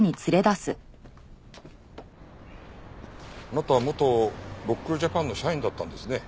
あなたは元ロックルジャパンの社員だったんですね。